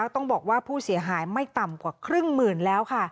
ต้องบอกว่าผู้เสียหายไม่ต่ำกว่าครึ่งหมื่นแล้วค่ะ